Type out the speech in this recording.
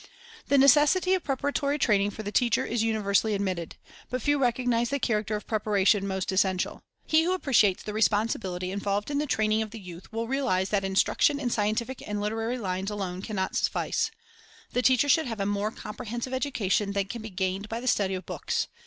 The necessity of preparatory training for the teacher is universally admitted; but few recognize the character of the preparation most essential. He who appreciates the responsibility involved in the training of the youth, will realize that instruction in scientific and literary lines alone can not suffice. The teacher should have a more comprehensive education than can be gained by the study of books.